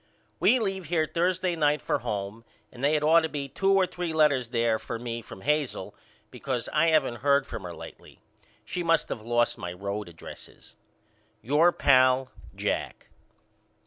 We leave here Thursday night for home and they had ought to be two or three letters there for me from Hazel because I haven't heard from her lately. She must of lost my road addresses. Your pal, JACK.